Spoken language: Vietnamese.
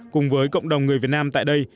cùng với cộng đồng người việt nam tại đây